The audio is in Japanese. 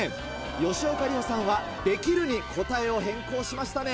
吉岡里帆さんは「できる」に答えを変更しましたね。